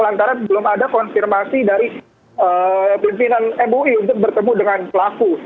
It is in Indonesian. lantaran belum ada konfirmasi dari pimpinan mui untuk bertemu dengan pelaku